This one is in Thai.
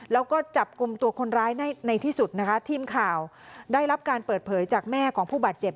แล้วก็จับกลุ่มตัวคนร้ายในที่สุดนะคะทีมข่าวได้รับการเปิดเผยจากแม่ของผู้บาดเจ็บ